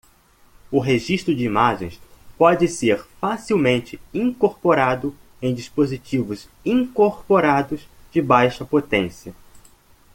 O registro de imagens pode ser facilmente incorporado em dispositivos incorporados de baixa potência.